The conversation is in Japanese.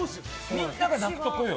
みんなが泣くところよ。